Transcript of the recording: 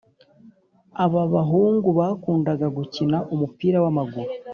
Ababahungu bakunda gukina umupira wamaguru